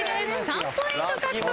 ３ポイント獲得。